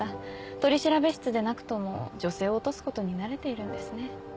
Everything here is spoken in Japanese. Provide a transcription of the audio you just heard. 取調室でなくとも女性を落とすことに慣れているんですね。